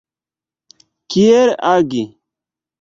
Kiel agi?